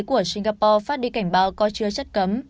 của singapore phát đi cảnh báo có chứa chất cấm